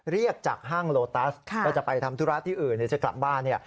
เรียกจากห้างโลตัสแล้วจะไปทำธุระที่อื่นหรือจะกลับบ้าน